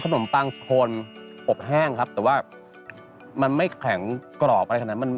นมปังโคนอบแห้งครับแต่ว่ามันไม่แข็งกรอบอะไรขนาดนั้น